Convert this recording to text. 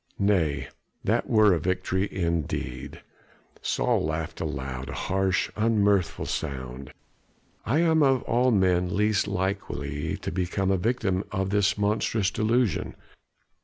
"Nay, that were a victory indeed." Saul laughed aloud, a harsh, unmirthful sound. "I am of all men least likely to become a victim of this monstrous delusion.